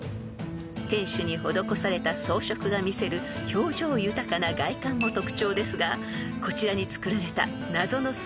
［天守に施された装飾が見せる表情豊かな外観も特徴ですがこちらにつくられた謎の隙間］